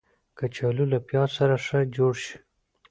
کچالو له پیاز سره ښه جوړ شي